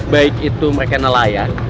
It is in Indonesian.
baik itu mereka nelayan